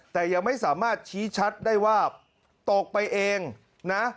แต่ยังไม่สามารถชี้ชัดได้ว่าตกไปเองนะ